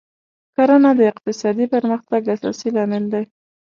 کرنه د اقتصادي پرمختګ اساسي لامل دی.